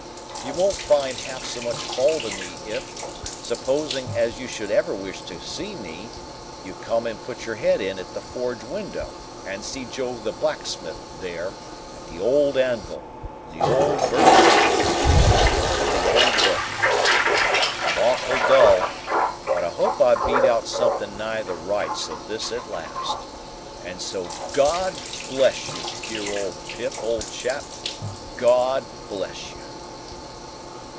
You won't find half so much fault in me if, supposing as you should ever wish to see me, you come and put your head in at the forge window and see Joe the blacksmith, there, at the old anvil, in the old burnt apron, sticking to the old work. I'm awful dull, but I hope I've beat out something nigh the rights of this at last. And so GOD bless you, dear old Pip, old chap, GOD bless you!"